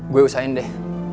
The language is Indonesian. gue usahain deh